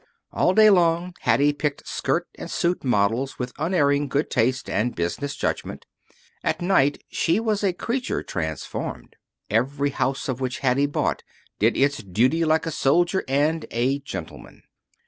All day long Hattie picked skirt and suit models with unerring good taste and business judgment. At night she was a creature transformed. Every house of which Hattie bought did its duty like a soldier and a gentleman.